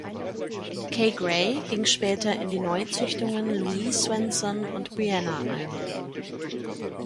Kay Gray ging später in die Neuzüchtungen Louise Swenson und Brianna ein.